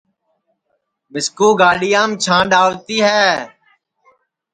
مِسکُو گاڈِِؔؔیام چھانڈؔ آوتی ہے